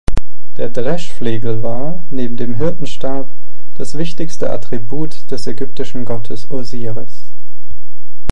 Der Dreschflegel war, neben dem Hirtenstab, das wichtigste Attribut des ägyptischen Gottes Osiris.